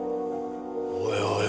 おいおい